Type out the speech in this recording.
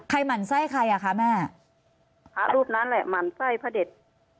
หมั่นไส้ใครอ่ะคะแม่พระรูปนั้นแหละหมั่นไส้พระเด็ด